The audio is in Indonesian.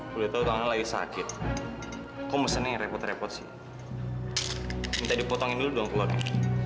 boleh tahu lagi sakit kok mesen repot repot sih minta dipotongin dulu dong keluarga